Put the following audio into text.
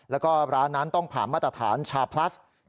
แล้วก็ร้านนั้นต้องผ่านมาตรฐานชาพลัส